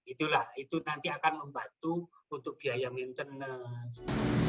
itulah itu nanti akan membantu untuk biaya maintenance